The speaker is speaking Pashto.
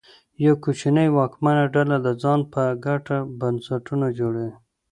یوه کوچنۍ واکمنه ډله د ځان په ګټه بنسټونه جوړوي.